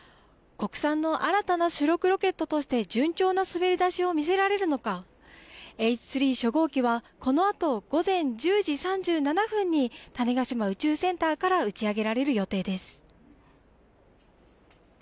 国産の新たな主力ロケットとして順調な滑り出しを見せられるのか、Ｈ３初号機はこのあと午前１０時３７分に種子島宇宙センターから打ち上げられる予定です。